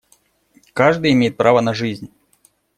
Каждый имеет право на жизнь.